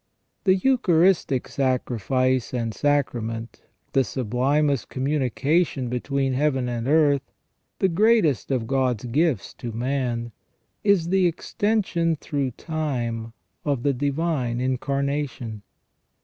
The Eucharistic Sacrifice and Sacrament, the sublimest com munication between Heaven and earth, the greatest of God's gifts to man, is the extension through time of the Divine Incarnation.